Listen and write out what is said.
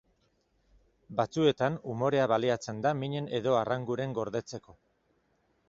Batzuetan umorea baliatzen da minen edo arranguren gordetzeko.